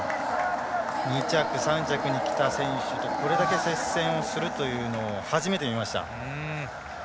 ２着、３着にきた選手とこれだけ接戦をするというのを初めて見ました。